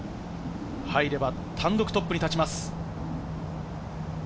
入れば単独トップに立ちます。